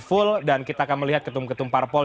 full dan kita akan melihat ketum ketum parpol